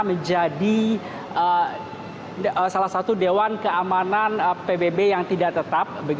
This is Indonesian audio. dan ini juga diharapkan dapat menjadi salah satu dewan keamanan pbb yang tidak tetap